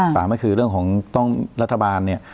สามก็คือเรื่องของต้องรัฐบาลเนี่ย